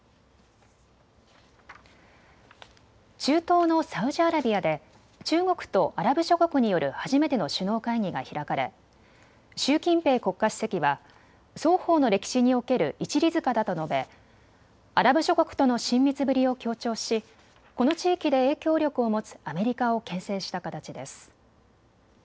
中東のサウジアラビアで中国とアラブ諸国による初めての首脳会議が開かれ習近平国家主席は双方の歴史における一里塚だと述べアラブ諸国との親密ぶりを強調しこの地域で影響力を持つアメリカをけん制した形です。